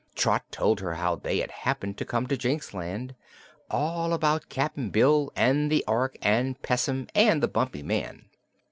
Trot told her how they had happened to come to Jinxland, and all about Cap'n Bill and the Ork and Pessim and the Bumpy Man.